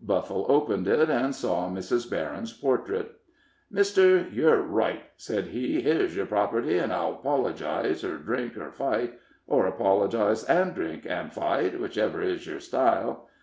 Buffle opened it, and saw Mrs. Berryn's portrait. "Mister, yer right," said he; "here's yer property, an' I'll apologize, er drink, er fight er apologize, an' drink, an' fight, whichever is yer style.